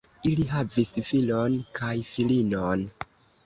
Ili havis filon kaj filinon.